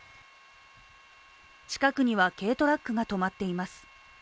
近くには軽トラックが止まっています。